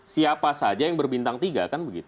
siapa saja yang berbintang tiga kan begitu